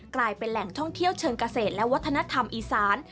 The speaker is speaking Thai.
กลายเป็นแหล่งท่องเที่ยวเชิงเกษตรและวัฒนธรรมอีสาน